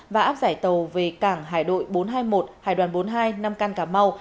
và áp giải tàu về cảng hải đội bốn trăm hai mươi một hải đoàn bốn mươi hai nam can cà mau